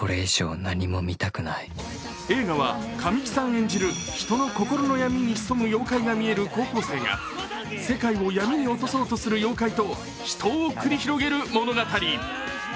映画は神木さん演じる人の心の闇に潜む妖怪が見える世界を闇に落とそうとする妖怪と死闘を繰り広げる物語。